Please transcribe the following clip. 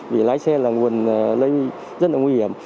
vì lái xe là nguồn lây rất là nguy hiểm